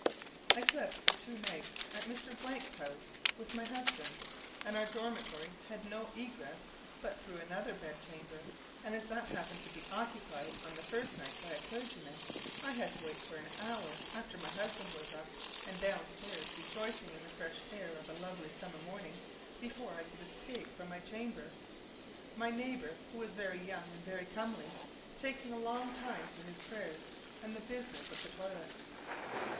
I slept for two nights at Mr. 's house, with my husband, and our dormitory had no egress but through another bed chamber; and as that happened to be occupied on the first night by a clergyman, I had to wait for an hour, after my husband was up and down stairs rejoicing in the fresh air of a lovely summer morning, before I could escape from my chamber, my neighbour; who was young and very comely, taking a long time for his prayers, and the business of the toilet.